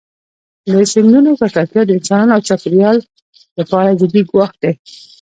د سیندونو ککړتیا د انسانانو او چاپېریال لپاره جدي ګواښ دی.